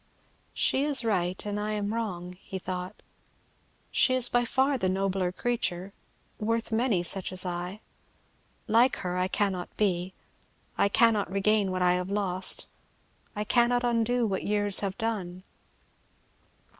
"She is right and I am wrong," he thought. "She is by far the nobler creature worth, many such as I. Like her I cannot be I cannot regain what I have lost, I cannot undo what years have done.